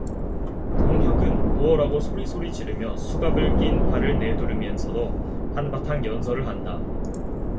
동혁은 무어라고 소리소리 지르며 수갑을 낀 팔을 내 두르면서도 한바탕 연설을 한다.